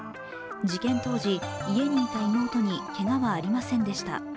事件当時、家にいた妹にけがはありませんでした。